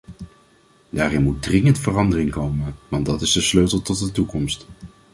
Daarin moet dringend verandering komen, want dat is de sleutel tot de toekomst.